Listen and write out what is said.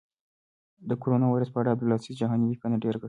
د کرونا وېروس په اړه د عبدالباسط جهاني لیکنه ډېره ګټوره وه.